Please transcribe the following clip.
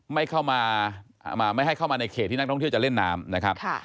ไม่ให้เข้ามาในเขตที่นักท่องเที่ยวจะเล่นน้ำ